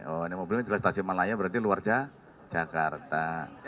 oh mobil ini jelas stasiun malaya berarti luar jakarta